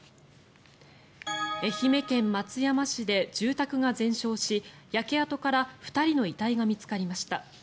愛媛県松山市で住宅が全焼し焼け跡から２人の遺体が見つかりました。